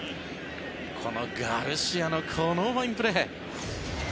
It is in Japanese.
このガルシアのこのファインプレー。